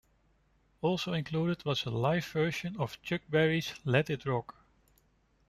Also included was a live version of Chuck Berry's "Let It Rock".